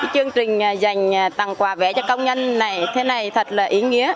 chương trình dành tặng quà vé cho công nhân này thế này thật là ý nghĩa